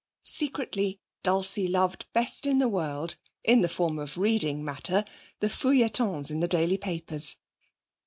Secretly Dulcie loved best in the world, in the form of reading matter, the feuilletons in the daily papers.